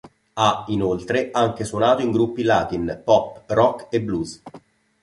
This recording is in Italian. Ha, inoltre, anche suonato in gruppi latin, pop, rock e blues.